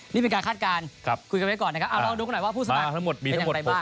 นี่เป็นการคาดการณ์คุยกันไว้ก่อนนะครับเอาลองดูกันหน่อยว่าผู้สมัครเป็นอย่างไรบ้าง